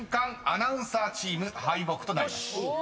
アナウンサーチーム敗北となります］